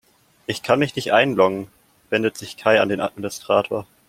Ich kann mich nicht einloggen, wendet sich Kai an den Administrator.